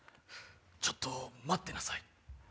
ちょっと待ってなさい。